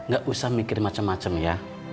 gak usah mikir macem macem ya